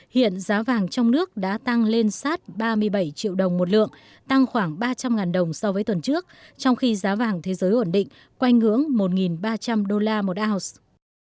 hiện giá vàng trong nước đã tăng lên sát ba mươi bảy triệu đồng một lượng tăng khoảng ba trăm linh đồng so với tuần trước trong khi giá vàng thế giới ổn định quanh ngưỡng một ba trăm linh đô la một ounce